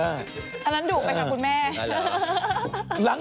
อันนั้นดุไปค่ะคุณแม่